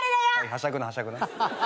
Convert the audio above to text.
はしゃぐなはしゃぐな。